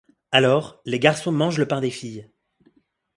Alors, les garçons mangent le pain des filles!